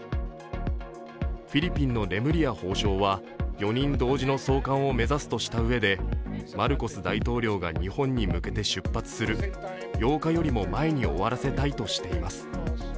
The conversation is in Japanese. フィリピンのレムリヤ法相は４人同時の送還を目指すとしたうえでマルコス大統領が日本に向けて出発する８日よりも前に終わらせたいとしています。